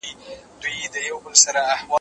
ایا هره ناڅاپه غوسه د ناروغۍ نښه ده؟